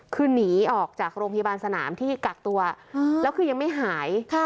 คือหนีออกจากโรงพยาบาลสนามที่กักตัวแล้วคือยังไม่หาย